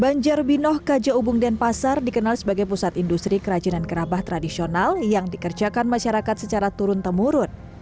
banjarbinoh kaja ubung denpasar utara dikenal sebagai pusat industri kerajinan gerabah tradisional yang dikerjakan masyarakat secara turun temurun